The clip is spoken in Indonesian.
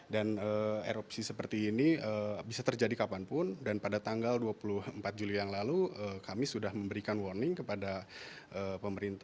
dan erupsi seperti ini bisa terjadi kapanpun dan pada tanggal dua puluh empat juli yang lalu kami sudah memberikan warning kepada pemerintah